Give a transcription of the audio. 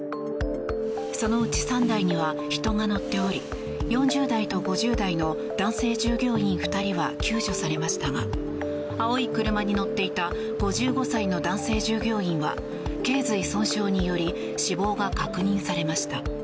そのうち３台には人が乗っており４０代と５０代の男性従業員２人は救助されましたが青い車に乗っていた５５歳の男性従業員は頸髄損傷により死亡が確認されました。